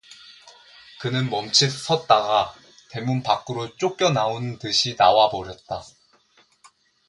그는 멈칫 섰다가 대문 밖으로 쫓겨 나오는 듯이 나와 버렸다.